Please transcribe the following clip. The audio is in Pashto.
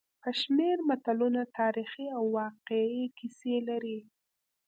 یو شمېر متلونه تاریخي او واقعي کیسې لري